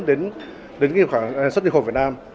đến đến cái khoảng xuất hiệu khóa